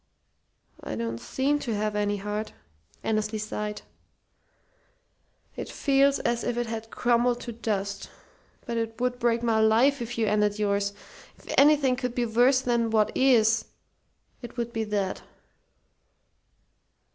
"I don't seem to have any heart," Annesley sighed. "It feels as if it had crumbled to dust. But it would break my life if you ended yours. If anything could be worse than what is, it would be that."